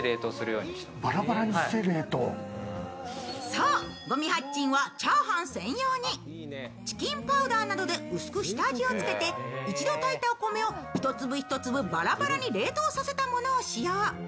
そう、五味八珍はチャーハン専用にチキンパウダーなどで薄く下味をつけて一度炊いたお米を一粒一粒パラパラに冷凍させたものを使用。